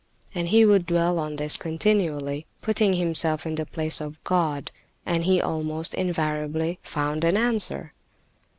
And he would dwell on this continually, putting himself in the place of God, and he almost invariably found an answer.